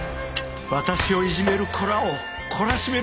私をいじめる子らを懲らしめる